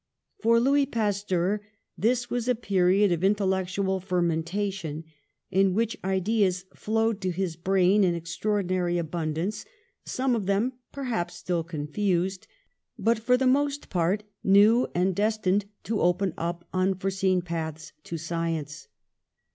For Louis Pasteur this was a period of intel lectual fermentation, in which ideas flowed to his brain in extraordinary abundance, some of them perhaps still confused, but for the most part new and destined to open up unforeseen paths to science.